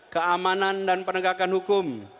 keamanan dan penegakan hukum